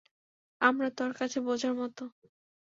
আমরা তর কাছে বোঝার মত।